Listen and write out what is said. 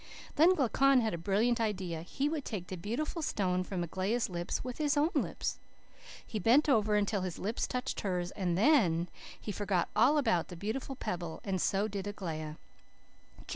Then Glaucon had a brilliant idea. He would take the beautiful stone from Aglaia's lips with his own lips. "He bent over until his lips touched hers and THEN, he forgot all about the beautiful pebble and so did Aglaia.